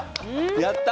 やった！